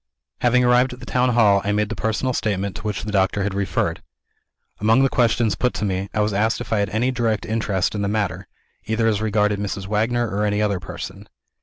Having arrived at the town hall, I made the personal statement to which the doctor had referred. Among the questions put to me, I was asked if I had any direct interest in the matter either as regarded Mrs. Wagner or any other person.